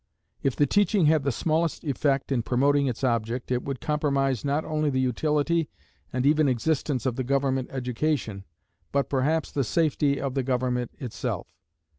If the teaching had the smallest effect in promoting its object, it would compromise not only the utility and even existence of the government education, but perhaps the safety of the government itself.